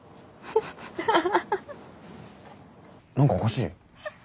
何かおかしい？